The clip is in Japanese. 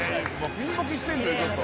ピンぼけしてんのよちょっと。